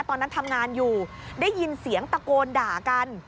ตอนนั้นทำงานอยู่ได้ยินเสียงตะโกนด่ากัน